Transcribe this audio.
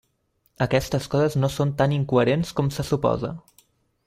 Aquestes coses no són tan incoherents com se suposa.